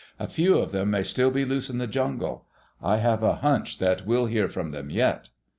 "A few of them may still be loose in the jungle. I have a hunch that we'll hear from them yet."